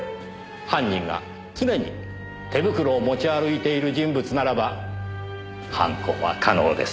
犯人が常に手袋を持ち歩いている人物ならば犯行は可能です。